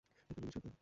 একটা মিল্কশেক দে।